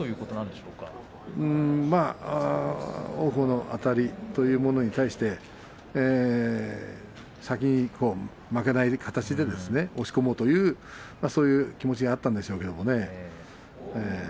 王鵬のあたりというものに対して先に、負けない形で押し込もうというそういう気持ちがあったんでしょうけれどもね。